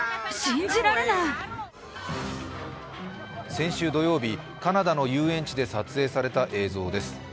先週土曜日、カナダの遊園地で撮影された映像です。